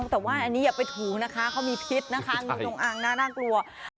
แต่ว่าอันนี้อย่าไปถูนะคะเขามีพิษนะคะงูจงอางน่ากลัว